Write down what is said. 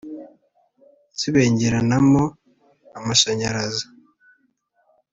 zibengeranamo amashanyaraza